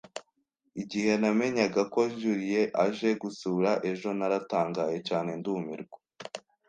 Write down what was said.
Igihe namenyaga ko Julie aje gusura ejo, naratangaye cyane ndumirwa.